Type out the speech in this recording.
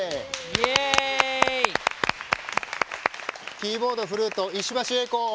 キーボードフルート石橋英子。